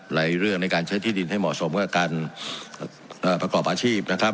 หลายเรื่องในการใช้ที่ดินให้เหมาะสมกับการประกอบอาชีพนะครับ